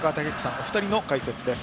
お二人の解説です。